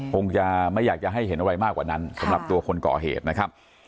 คงจะไม่อยากจะให้เห็นอะไรมากกว่านั้นสำหรับตัวคนก่อเหตุนะครับ